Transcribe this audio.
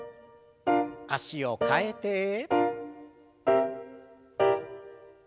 脚を替えて。